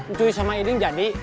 ncuy sama iding jadi